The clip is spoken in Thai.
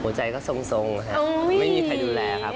ใจก็ทรงไม่มีใครดูแลครับ